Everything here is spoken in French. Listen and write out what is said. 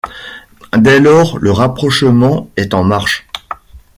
Dès lors le rapprochement est en marche.